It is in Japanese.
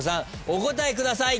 お答えください。